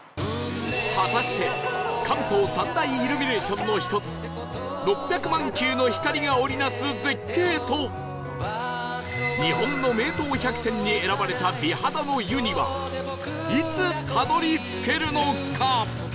果たして関東三大イルミネーションの一つ６００万球の光が織り成す絶景と日本の名湯百選に選ばれた美肌の湯にはいつたどり着けるのか？